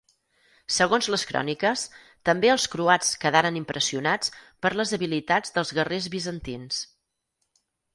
Segons les cròniques, també els croats quedaren impressionats per les habilitats dels guerrers bizantins.